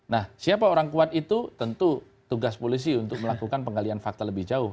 nah siapa orang kuat itu tentu tugas polisi untuk melakukan penggalian fakta lebih jauh